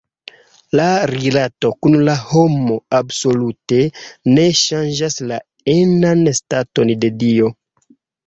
La rilato kun la homo absolute ne ŝanĝas la enan staton de Dio.